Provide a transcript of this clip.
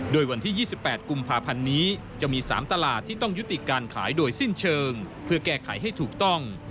โดยวันที่๒๘กุมภาพันธ์นี้จะมี๓ตลาดที่ต้องยุติการขายโดยสิ้นเชิงเพื่อแก้ไขให้ถูกต้อง